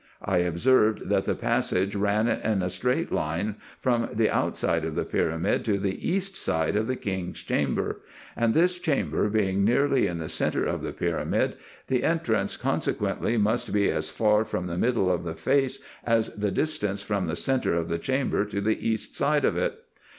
I observed that the passage ran in a straight line from the outside of the pyramid to the east side of the king's chamber ; and this chamber being nearly in the centre of the pyramid, the entrance consequently must be as far from the middle of the face as the distance from the centre of the chamber to the east side of it.